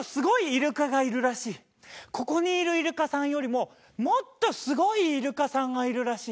ここにいるイルカさんよりももっとすごいイルカさんがいるらしい。